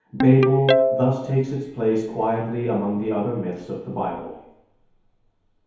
Babel thus takes its place quietly among the other myths of the Bible.